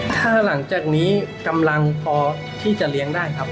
ถ้าหลังจากนี้กำลังพอที่จะเลี้ยงได้ครับ